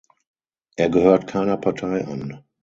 Er gehört keiner Partei an.